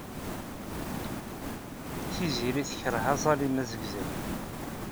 Tiziri tekṛeh aẓalim azegzaw.